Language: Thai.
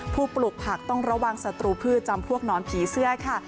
ปลูกผักต้องระวังศัตรูพืชจำพวกหนอนผีเสื้อค่ะ